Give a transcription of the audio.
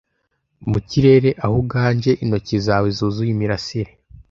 mu kirere aho uganje intoki zawe zuzuye imirasire